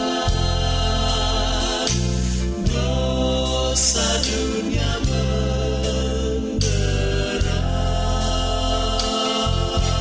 beban berat dosa dunia menderam